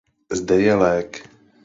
Zde je lék.